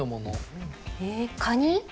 ええカニ？